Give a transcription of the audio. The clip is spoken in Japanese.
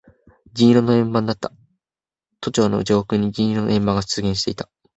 銀色の円盤だった。都庁の上空に銀色の円盤が出現していた。